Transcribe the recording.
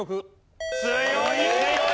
強い強い！